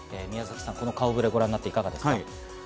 この顔触れ、ご覧になっていかがですか？